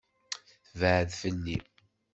Beɛɛed fell-i.